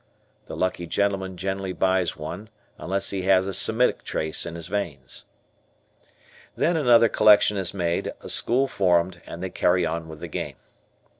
The "lucky gentleman" generally buys one unless he has a Semitic trace in his veins. Then another collection is made, a school formed, and they carry on with the game.